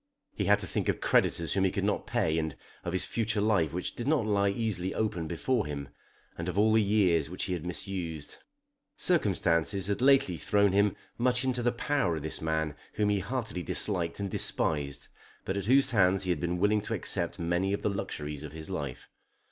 He had to think of creditors whom he could not pay, and of his future life which did not lie easily open before him, and of all the years which he had misused. Circumstances had lately thrown him much into the power of this man whom he heartily disliked and despised, but at whose hands he had been willing to accept many of the luxuries of his life.